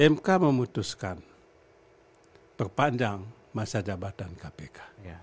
mk memutuskan perpanjang masa jabatan kpk